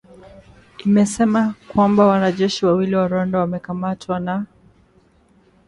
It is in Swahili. imesema kwamba wanajeshi wawili wa Rwanda wamekamatwa na